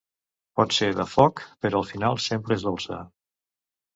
Pot ser de foc, però al final sempre és dolça.